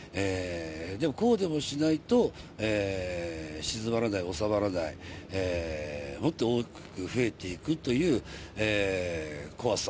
でもこうでもしないと、静まらない、収まらない、もっと大きく増えていくという怖さ。